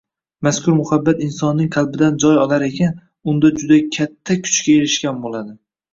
Mazkur muhabbat insonning qalbidan joy olar ekan unda juda katta kuchga erishgan bo‘ladi